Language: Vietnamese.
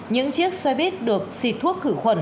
những chiếc xe buýt được xịt thuốc khử khuẩn